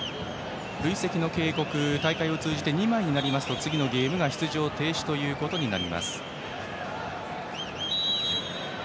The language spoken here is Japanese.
累積の警告が大会を通じて２枚になりますと次のゲームが出場停止となります。